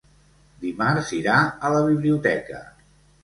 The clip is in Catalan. Dimarts irà a la biblioteca.